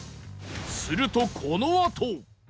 するとこのあと！